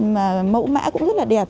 mà mẫu mã cũng rất là đẹp